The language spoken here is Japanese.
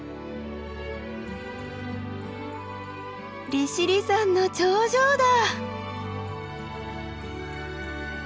利尻山の頂上だ。